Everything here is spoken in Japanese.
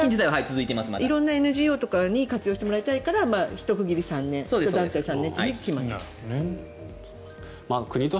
色んなＮＧＯとかに活用してもらいたいからひと区切り３年と決まっていると。